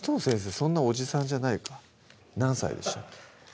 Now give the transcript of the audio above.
そんなおじさんじゃないか何歳でしたっけ